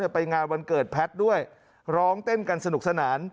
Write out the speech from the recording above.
ไปงานวันเกิดแพทย์ด้วยร้องเต้นกันสนุกสนาน